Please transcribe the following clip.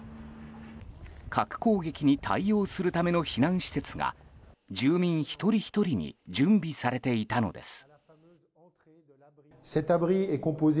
核攻撃に対応するための避難施設が住民一人ひとりに準備されていたのです。